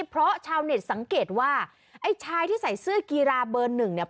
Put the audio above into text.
เพราะชาวเน็ตสังเกตว่าไอ้ชายที่ใส่เสื้อกีฬาเบอร์หนึ่งเนี่ย